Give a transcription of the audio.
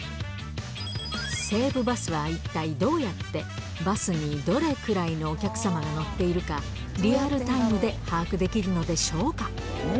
西武バスは一体どうやって、バスにどれくらいのお客様が乗っているか、リアルタイムで把握できるのでしょうか。